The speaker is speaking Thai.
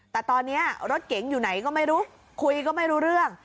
แต่ตอนนี้รถเก๋งอยู่ไหนก็ไม่รู้คุยก็ไม่รู้เรื่อง